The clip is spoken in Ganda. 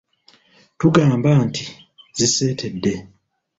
Tugamba nti ziseetedde.